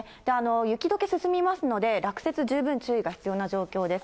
雪どけ進みますので、落雪、十分注意が必要な状況です。